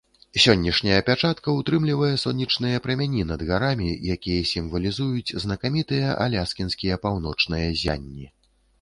Сённяшняя пячатка ўтрымлівае сонечныя прамяні над гарамі, якія сімвалізуюць знакамітыя аляскінскія паўночныя ззянні.